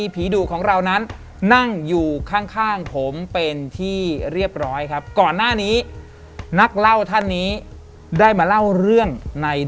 เป็นฟางเป็นเป็นฟางเลย